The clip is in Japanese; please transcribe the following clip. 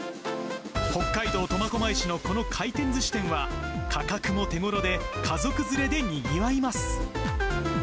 北海道苫小牧市のこの回転ずし店は価格も手ごろで、家族連れでにぎわいます。